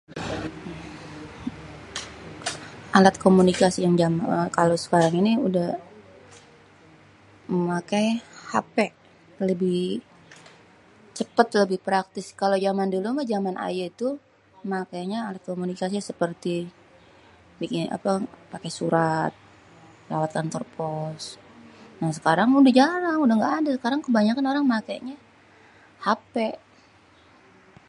alat komunikasi dijaman ini sekarang udéh paké hp lebih cépét lebih oraktis kalo jaman dulu méh masi paké surak kantor pos kalo jaman sekarang mah udh hapé